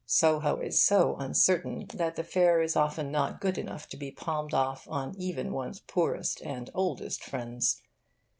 Soho is so uncertain that the fare is often not good enough to be palmed off on even one's poorest and oldest friends.